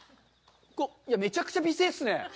いや、めちゃくちゃ美声ですね。